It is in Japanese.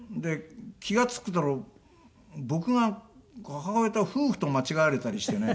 気が付くと僕が母親と夫婦と間違われたりしてね。